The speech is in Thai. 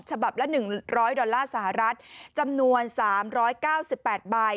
ฉบับละหนึ่งร้อยดอลลาร์สหรัฐจำนวนสามร้อยเก้าสิบแปดใบ